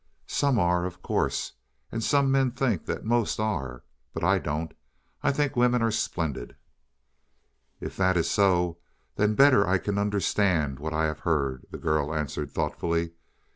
"Some are, of course. And some men think that most are. But I don't; I think women are splendid." "If that is so, then better I can understand what I have heard," the girl answered thoughtfully.